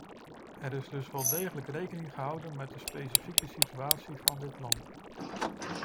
Er is dus wel degelijk rekening gehouden met de specifieke situatie van dit land.